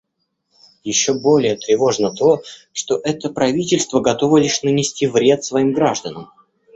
Еще более тревожно то, что это правительство готово лишь нанести вред своим гражданам.